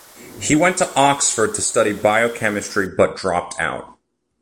He went to Oxford to study biochemistry but dropped out.